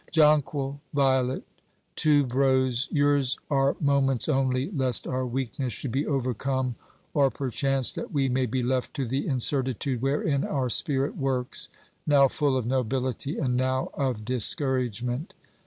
Jonquil, violet, tuberose — yours are moments only, lest our weakness should be overcome, or perchance that we may be left to the incertitude wherein our spirit works, now full of nobility, and now of discouragement.